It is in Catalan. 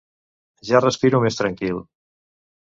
Ja respiro més tranquil.